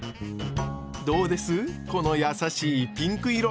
どうですこの優しいピンク色。